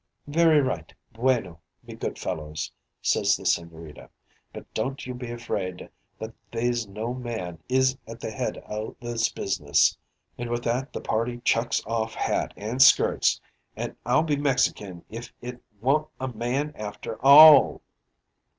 "'Very right, bueno. Me good fellows,' says the Sigñorita, 'but don't you be afraid that they's no man is at the head o' this business.' An' with that the party chucks off hat an' skirts, _and I'll be Mexican if it wa'n't a man after all!